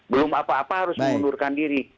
belum apa apa harus mengundurkan diri